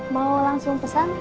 mau langsung pesan